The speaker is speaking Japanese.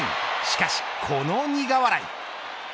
しかし、この苦笑い。